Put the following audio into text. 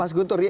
mas guntur ya